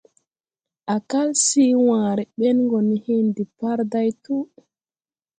Á kal sii wããre ben go ne hen depārday tuu.